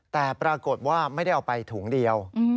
แต่ปรากฏว่าไม่ได้เอาไปถุงเดียว